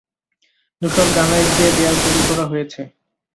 ধূসর গ্রানাইট দিয়ে দেয়াল তৈরি করা হয়েছে।